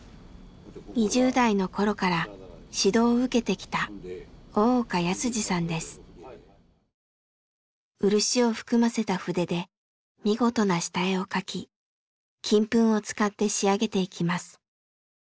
２０代の頃から指導を受けてきた漆を含ませた筆で見事な下絵を描き金粉を使って仕上げていきます。